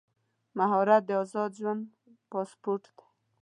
مهارت د ازاد ژوند پاسپورټ دی.